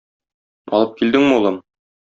Алып килдеңме, улым?